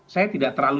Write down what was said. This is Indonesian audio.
saya tidak terlalu